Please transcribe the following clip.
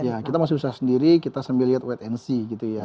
ya kita masih usaha sendiri kita sambil lihat wait and see gitu ya